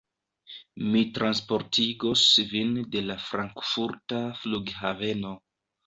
Mi transportigos vin de la Frankfurta flughaveno.